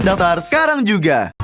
daftar sekarang juga